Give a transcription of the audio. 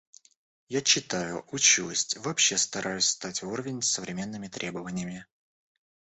Я читаю, учусь, вообще стараюсь стать в уровень с современными требованиями.